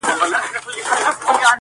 د گلو كر نه دى چي څوك يې پــټ كړي~